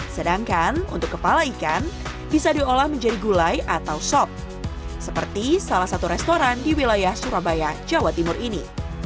sedangkan untuk kepala ikan bisa diolah menjadi gulai atau sop seperti salah satu restoran di wilayah surabaya jawa timur ini